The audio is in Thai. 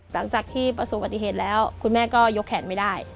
หลังจากที่ประสบปฏิเหตุแล้วคุณแม่ก็ยกแขนไม่ได้